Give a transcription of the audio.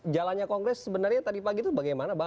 jalannya kongres sebenarnya tadi pagi itu bagaimana bang